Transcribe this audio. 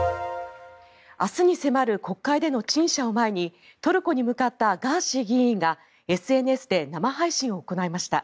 明日に迫る国会での陳謝を前にトルコに向かったガーシー議員がＳＮＳでは生配信を行いました。